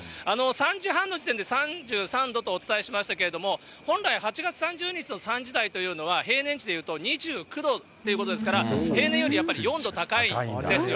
３時半の時点で３３度とお伝えしましたけれども、本来８月３０日の３時台というのは、平年値でいうと２９度ということですから、平年よりやっぱり４度高いんですよ。